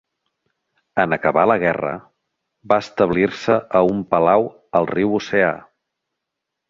En acabar la guerra, va establir-se a un palau al riu Oceà.